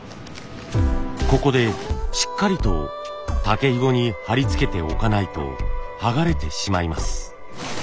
ここでしっかりと竹ひごに貼り付けておかないと剥がれてしまいます。